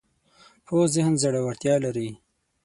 پوخ ذهن زړورتیا لري